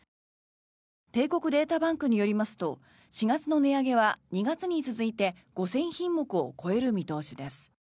帝国データバンクによりますと４月の値上げは２月に続いて５０００品目を超える見通しです。